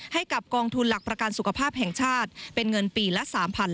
ให้กับกองทุนหลักประกันสุขภาพแห่งชาติเป็นเงินปีละ๓๕๐๐